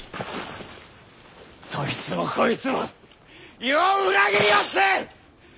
どいつもこいつも余を裏切りおって！